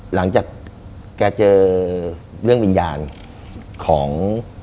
หลังจากแกเจอเรื่องวิญญาณของ